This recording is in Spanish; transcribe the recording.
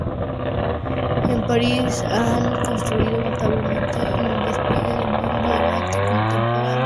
En París han contribuido notablemente en el despliegue del mundo del arte contemporáneo.